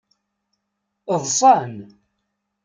Ḍṣan.